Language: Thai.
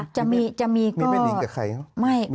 จะมีก็มีแม่หนิงกับใคร